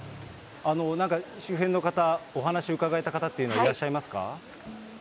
なんか周辺の方、お話伺えた方っていらっしゃいますか？